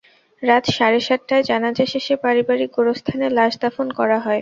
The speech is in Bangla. রাত সাড়ে সাতটায় জানাজা শেষে পারিবারিক গোরস্থানে লাশ দাফন করা হয়।